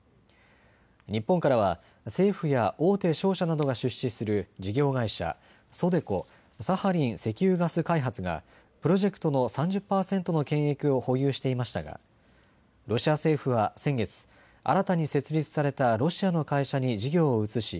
日本からは政府や大手商社などが出資する事業会社、ＳＯＤＥＣＯ・サハリン石油ガス開発がプロジェクトの３０％の権益を保有していましたがロシア政府は先月、新たに設立されたロシアの会社に事業を移し